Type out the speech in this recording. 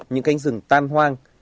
những cánh rừng tan hoang